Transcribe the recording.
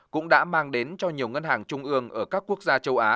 cũng đã mang đến cho nhiều ngân hàng trung ương ở các quốc gia châu á